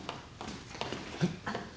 はい？